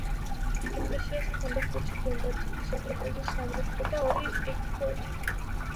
ეკლესიას ჰქონდა ხუთი გუმბათი, სატრაპეზო, სამრეკლო და ორი ეგვტერი.